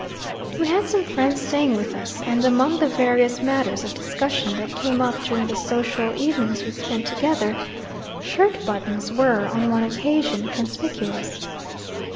We had some friends staying with us, and among the various matters of discussion that came up during the social evenings we spent together, shirt buttons were, on one occasion, conspicuous.